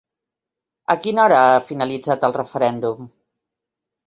A quina hora ha finalitzat el referèndum?